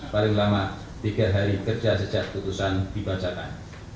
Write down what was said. paling lama tiga hari kerja sejak putusan dibacakan